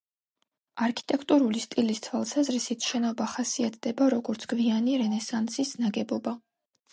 არქიტექტურული სტილის თვალსაზრისით შენობა ხასიათდება როგორც გვიანი რენესანსის ნაგებობა.